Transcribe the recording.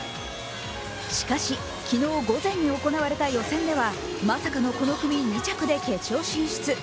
しかし、昨日午前に行われた予選ではまさかのこの組２着で決勝進出。